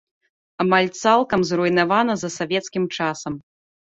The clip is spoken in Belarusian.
Амаль цалкам зруйнавана за савецкім часам.